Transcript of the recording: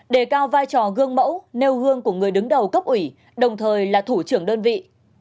đề cao vai trò gương mẫu nêu gương của người đứng đầu cấp ủy đồng thời là thủ trưởng đơn vị